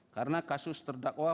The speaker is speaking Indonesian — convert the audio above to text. karena kasus terdakwa